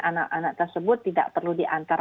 anak anak tersebut tidak perlu diantar